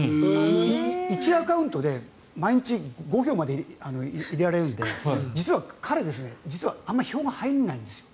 １アカウントで毎日５票まで入れられるので実は彼、あまり票が入らないんです。